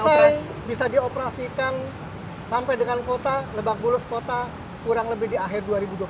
selesai bisa dioperasikan sampai dengan kota lebak bulus kota kurang lebih di akhir dua ribu dua puluh satu